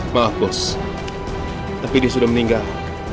maaf bos tapi dia sudah meninggal